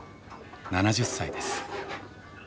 ７０歳です。